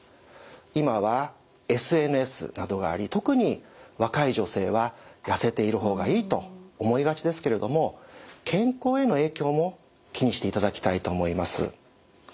今はＳＮＳなどがあり特に若い女性はやせているほうがいいと思いがちですけれども健康への影響も気にしていただきたいと思います。